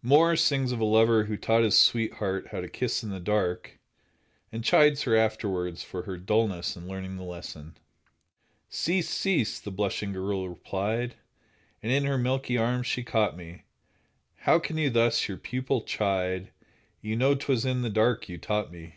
Moore sings of a lover who taught his sweetheart how to kiss in the dark, and chides her afterwards for her dullness in learning the lesson. "Cease, cease," the blushing girl replied, And in her milky arms she caught me; "How can you thus your pupil chide? You know 'twas in the dark you taught me!"